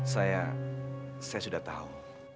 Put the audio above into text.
saya saya sudah tahu